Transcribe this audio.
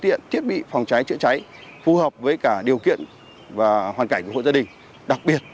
tiện thiết bị phòng cháy chữa cháy phù hợp với cả điều kiện và hoàn cảnh của hội gia đình đặc biệt